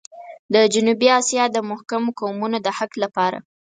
د جنوبي اسيا د محکومو قومونو د حق لپاره.